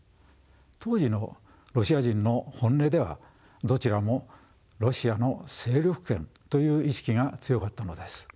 当時のロシア人の本音ではどちらもロシアの勢力圏という意識が強かったのです。